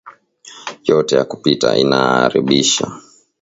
Yote ya kupita inaaribisha